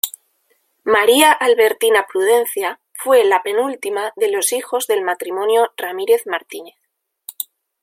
María Albertina Prudencia fue la penúltima de los hijos del matrimonio Ramírez-Martínez.